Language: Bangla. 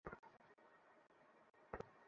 একজন কৃষ্ণাঙ্গ, একজন শ্বেতাঙ্গ।